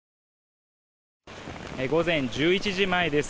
午前１１時前です。